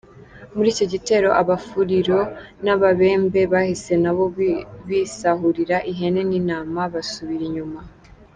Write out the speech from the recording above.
Muri icyo gitero abafuliru n’ababembe bahise nabo bisahurira ihene n’intama basubira iyuma.